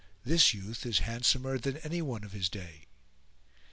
this youth is handsomer than any one of his day."